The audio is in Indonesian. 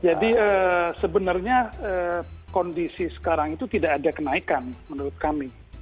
sebenarnya kondisi sekarang itu tidak ada kenaikan menurut kami